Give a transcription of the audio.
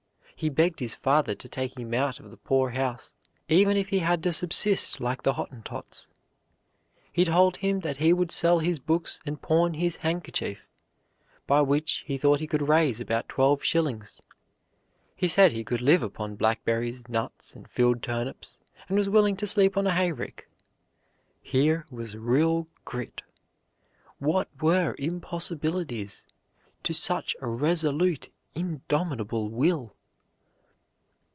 He begged his father to take him out of the poorhouse, even if he had to subsist like the Hottentots. He told him that he would sell his books and pawn his handkerchief, by which he thought he could raise about twelve shillings. He said he could live upon blackberries, nuts, and field turnips, and was willing to sleep on a hayrick. Here was real grit. What were impossibilities to such a resolute, indomitable will?